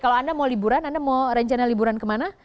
kalau anda mau liburan anda mau rencana liburan kemana